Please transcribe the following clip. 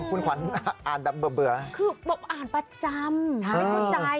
คุณขวัญอ่าอ่านแบบเบื่อเบื่อคือบอกอ่านประจำหาให้เข้าใจ